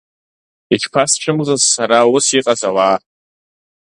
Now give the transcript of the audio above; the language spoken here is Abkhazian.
Ишԥасцәымӷыз сара ус иҟаз ауаа…